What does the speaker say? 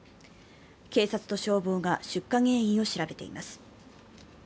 警察と消防が出火原因を調べています。